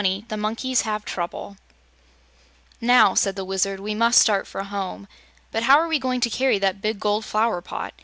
20. The Monkeys Have Trouble "Now," said the Wizard, "we must start for home. But how are we going to carry that big gold flower pot?